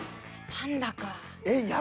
パンダかぁ。